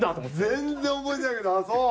全然覚えてないけどああそう？